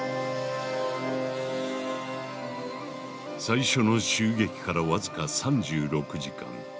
最初の襲撃から僅か３６時間。